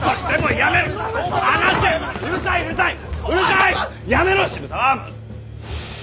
やめろ！